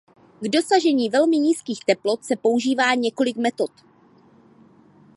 K dosažení velmi nízkých teplot se používá několik metod.